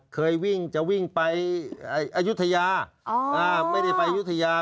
เคยวิ่งจะวิ่งไปอายุทยาอ๋ออ่าไม่ได้ไปอายุทยา